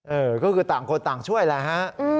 เออก็คือต่างคนต่างช่วยแหละฮะ